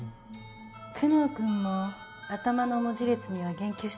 久能君も頭の文字列には言及してますね。